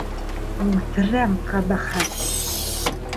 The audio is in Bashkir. Үлтерәм, ҡәбәхәт!